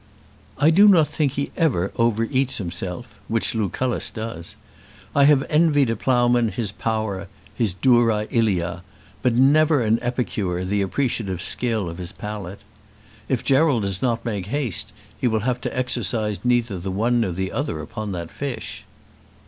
"I do not think he ever over eats himself, which Lucullus does. I have envied a ploughman his power, his dura ilia, but never an epicure the appreciative skill of his palate. If Gerald does not make haste he will have to exercise neither the one nor the other upon that fish."